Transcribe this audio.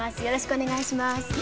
よろしくお願いします」